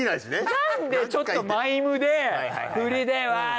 なんでちょっとマイムでフリでわっ！